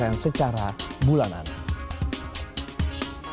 yang antara sim sparking the big sanae computing project